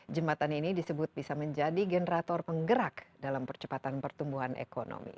jembatan ini disebut bisa menjadi generator penggerak dalam percepatan pertumbuhan ekonomi